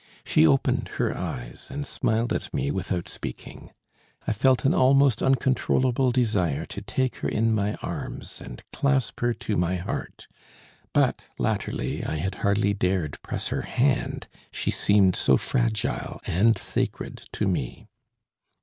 She opened her eyes and smiled at me without speaking. I felt an almost uncontrollable desire to take her in my arms, and clasp her to my heart; but, latterly, I had hardly dared press her hand, she seemed so fragile and sacred to me.